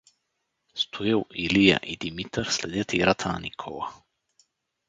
Стоил, Илия и Димитър следят играта на Никола.